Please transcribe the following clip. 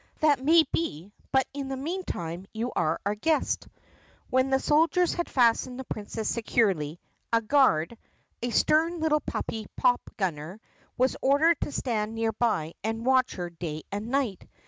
"That may be but in the meantime you are our guest." When the soldiers had fastened the Princess securely, a guard — a stern little Puppy Popgunner — was ordered to stand near by and watch her day and night.